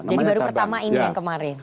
jadi baru pertama ini yang kemarin